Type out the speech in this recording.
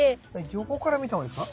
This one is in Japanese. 横から見たほうがいいですか？